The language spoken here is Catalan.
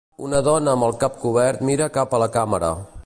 Una dona amb el cap cobert mira cap a la càmera